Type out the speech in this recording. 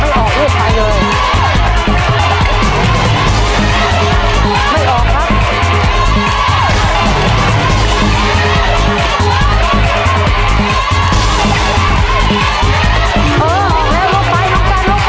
ไม่ออกอีกไปเลย